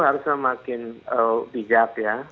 harusnya makin bijak ya